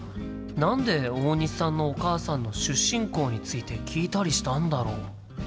何で大西さんのお母さんの出身校について聞いたりしたんだろう？